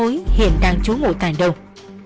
các mối hiểm đang trốn ngồi toàn đồng